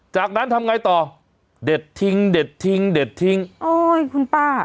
จากนั้นทำไงต่อเด็ดทิ้งเด็ดทิ้งเด็ดทิ้งโอ้ยคุณป้า